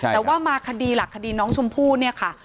แต่ว่ามาคดีหลักคดีน้องชมพู่เนี่ยค่ะ